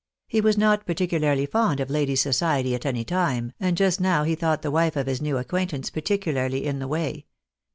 He was not particularly fond of ladies' society at any time, and just now he thought the wife of his new acquaintance particularly in the way.